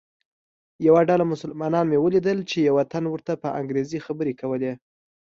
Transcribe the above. یوه ډله مسلمانان مې ولیدل چې یوه تن ورته په انګریزي خبرې کولې.